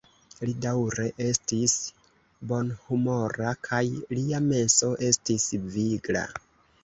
Li daŭre estis bonhumora kaj lia menso estis vigla.